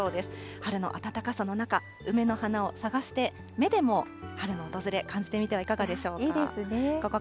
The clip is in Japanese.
春の暖かさの中、梅の花を探して目でも春の訪れ、感じてみてはいかがでしょうか。